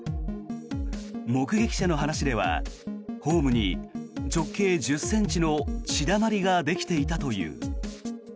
目撃者の話ではホームに直径１０ｃｍの血だまりができていたという。